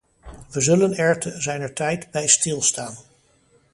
Wij zullen er te zijner tijd bij stilstaan.